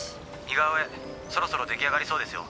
「似顔絵そろそろでき上がりそうですよ」